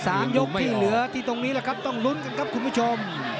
ยกที่เหลือที่ตรงนี้แหละครับต้องลุ้นกันครับคุณผู้ชม